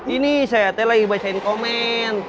ini sehatnya lagi bacain komen